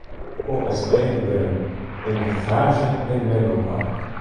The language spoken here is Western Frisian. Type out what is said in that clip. Google is ea begûn yn in garaazje yn Menlo Park.